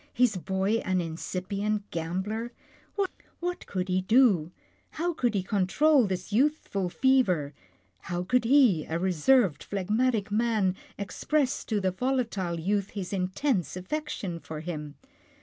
His boy an incipient gambler — What could he do, how could he control this youthful fever, how could he, a reserved, phlegmatic man, express to the volatile youth his intense affection for him?